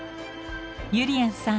ゆりやんさん